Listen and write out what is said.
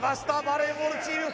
バレーボールチーム